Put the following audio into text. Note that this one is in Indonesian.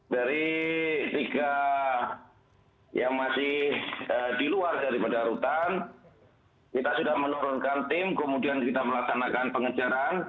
dari tiga yang masih di luar daripada rutan kita sudah menurunkan tim kemudian kita melaksanakan pengejaran